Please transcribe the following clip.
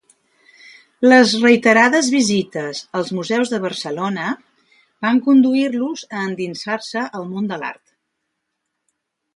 Les reiterades visites als museus de Barcelona van conduir-los a endinsar-se al món de l’art.